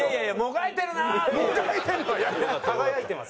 輝いてます。